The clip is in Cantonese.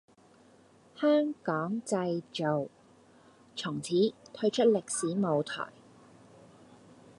香港製造從此退出歷史舞台